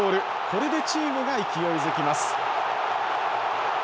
これでチームが勢いづきます。